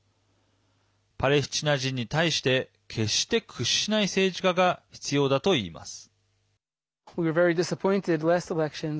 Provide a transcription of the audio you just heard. パレスチナ人に対して決して屈しない政治家が必要だといいます。